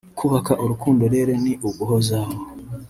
Kubaka urukundo rero ni uguhozaho